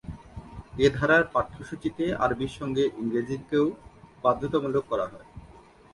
এ ধারার পাঠ্যসূচিতে আরবির সঙ্গে ইংরেজিকেও বাধ্যতামূলক করা হয়।